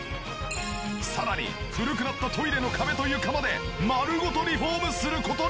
さらに古くなったトイレの壁と床まで丸ごとリフォームする事に！